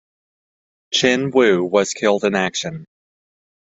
Chen Wu was killed in action.